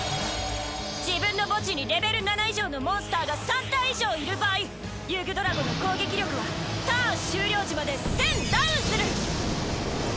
自分の墓地にレベル７以上のモンスターが３体以上いる場合ユグドラゴの攻撃力はターン終了時まで１０００ダウンする！